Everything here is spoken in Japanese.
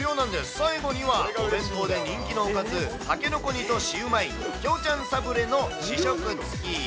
最後には、お弁当で人気のおかず、筍煮とシウマイ、ひょうちゃんサブレの試食付き。